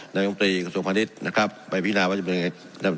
นายองค์ปรีกสมภัณฑ์นิสต์นะครับไปพินาว่าจะเป็นยังไง